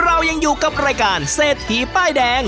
เรายังอยู่กับรายการเศรษฐีป้ายแดง